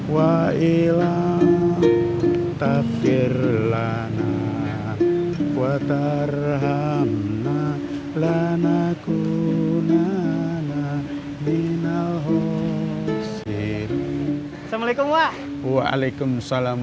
woi lah takdir lana kuat arham lanaku nana binalho siri assalamualaikum waalaikumsalam